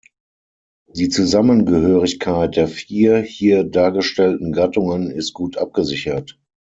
Die Zusammengehörigkeit der vier hier dargestellten Gattungen ist gut abgesichert.